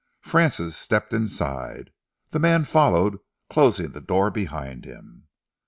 Francis stepped inside. The man followed, closing the door behind him.